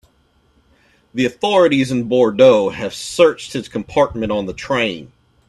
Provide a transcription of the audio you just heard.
The authorities in Bordeaux have searched his compartment on the train.